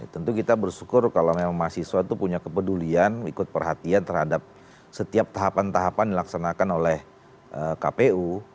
tentu kita bersyukur kalau memang mahasiswa itu punya kepedulian ikut perhatian terhadap setiap tahapan tahapan dilaksanakan oleh kpu